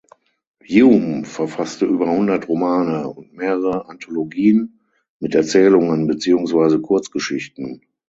Hume verfasste über hundert Romane und mehrere Anthologien mit Erzählungen beziehungsweise Kurzgeschichten.